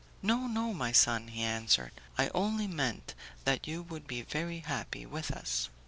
"No, no, my son," he answered, "I only meant that you would be very happy with us."